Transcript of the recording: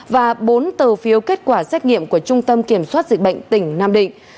và bốn tờ phiếu kết quả xét nghiệm của trung tâm kiểm soát dịch bệnh tỉnh nam định